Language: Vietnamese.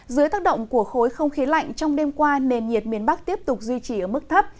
dưới tác động của khối không khí lạnh trong đêm qua nền nhiệt miền bắc tiếp tục duy trì ở mức thấp